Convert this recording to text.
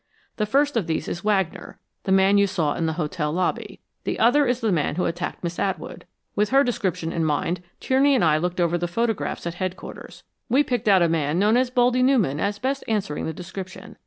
The first of these is Wagner, the man you saw in the hotel lobby. The other is the man who attacked Miss Atwood. With her description in mind, Tierney and I looked over the photographs at Headquarters. We picked out a man known as 'Baldy' Newman as best answering the description.